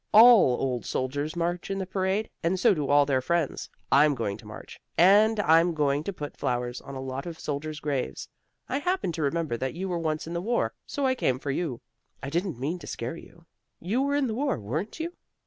All old soldiers march in the parade, and so do all their friends. I'm going to march, and I'm going to put flowers on a lot of soldiers' graves. I happened to remember that you were once in the war, so I came for you. I didn't mean to scare you. You were in the war, weren't you?"